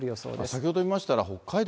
先ほど見ましたら、北海道